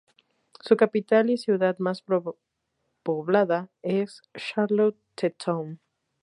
Su capital y ciudad más poblada es Charlottetown.